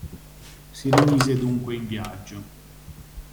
Si rimise dunque in viaggio.